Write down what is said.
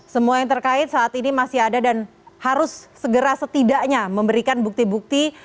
semua yang terkait saat ini masih ada dan harus segera setidaknya memberikan bukti bukti